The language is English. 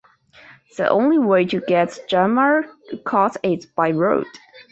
The only way to get Dharam Kot is by road.